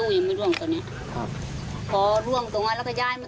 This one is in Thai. ไม่เพราะครึ่งชั่วโมงทำอีกทำอีก